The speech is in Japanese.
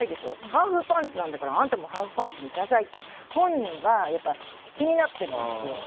ハーフパンツなんだからあんたもハーフパンツにしなさいって本人は、気になってるんですよ。